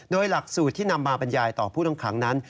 โดยหลักสูตรที่นำมาบรรยายต่อผู้ต้องขังนั้น